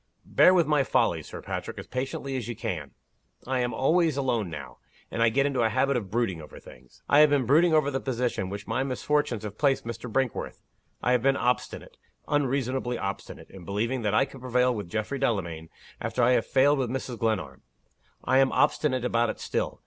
"Bear with my folly, Sir Patrick, as patiently as you can! I am always alone now; and I get into a habit of brooding over things. I have been brooding over the position in which my misfortunes have placed Mr. Brinkworth. I have been obstinate unreasonably obstinate in believing that I could prevail with Geoffrey Delamayn, after I had failed with Mrs. Glenarm. I am obstinate about it still.